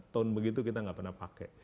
tahun begitu kita tidak pernah pakai